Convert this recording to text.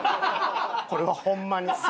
これはホンマに。